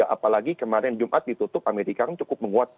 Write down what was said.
apalagi kemarin jumat ditutup amerika kan cukup menguat